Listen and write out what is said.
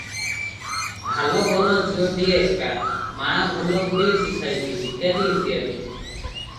ଭାଲ ଘର ଝିଅଟିଏ ଏକା, ମା ଭଲ ଗୁଡ଼ିଏ ଶିଖାଇଛି, ଇତ୍ୟାଦି ଇତ୍ୟାଦି ।